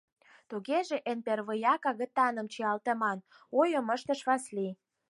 — Тугеже эн первыяк агытаным чиялтыман, — ойым ыштыш Васлий.